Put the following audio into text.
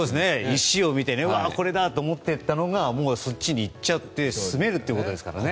石を見てこれだ！と思っていたのがもうそっちに行っちゃって住めるということですからね。